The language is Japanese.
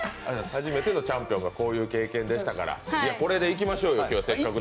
初めてのチャンピオンがこういう経験でしたから、頑張っていきましょうよ、これで。